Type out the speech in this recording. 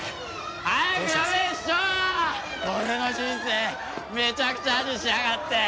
俺の人生めちゃくちゃにしやがって。